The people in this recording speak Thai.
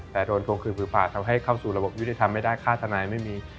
แต่โดนทวงคืนผือป่าทำให้เข้าสู่ระบบยุติธรรมไม่ได้ค่าทนายไม่มี